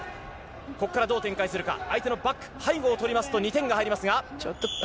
ここからどう展開するか、相手のバック、背後を取りますと、２点が入りますが。